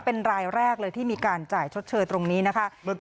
เป็นรายแรกเลยที่มีการจ่ายชดเชยตรงนี้นะคะ